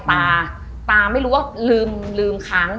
ตาตาไม่รู้ว่าลืมลืมค้าง